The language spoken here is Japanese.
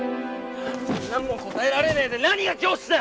そんなんも答えられねえでなにが教師だ！